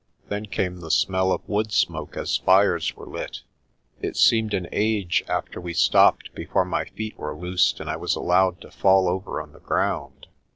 Then came the smell of wood smoke as fires were lit. It seemed an age after we stopped before my feet were loosed and I was allowed to fall over on the ground.